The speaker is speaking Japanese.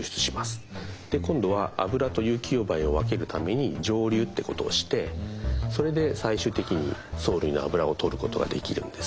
今度はアブラと有機溶媒を分けるために蒸留ってことをしてそれで最終的に藻類のアブラをとることができるんです。